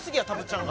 ちゃん